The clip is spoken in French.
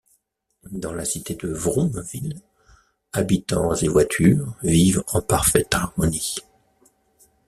Dans la cité de Vroom Ville, habitants et voitures vivent en parfaite harmonie.